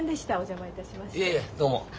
いえいえどうも。